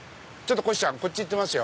こひちゃんこっち行ってみます。